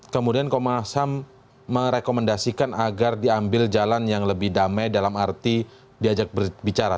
kemudian komnas ham merekomendasikan agar diambil jalan yang lebih damai dalam arti diajak berbicara